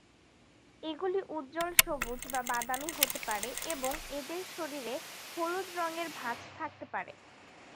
এগুলি উজ্জ্বল সবুজ বা বাদামী হতে পারে এবং এদের শরীরে হলুদ রঙের ভাঁজ থাকতে পারে।